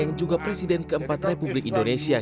yang juga presiden keempat republik indonesia